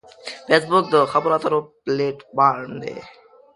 فېسبوک د خبرو اترو پلیټ فارم دی